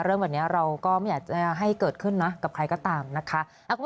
เรื่องแบบนี้เราก็ไม่อยากจะให้เกิดขึ้นนะกับใครก็ตามนะคะ